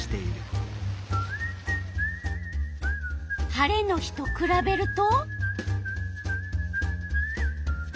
晴れの日とくらべると？